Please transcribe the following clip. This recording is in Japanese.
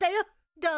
どう？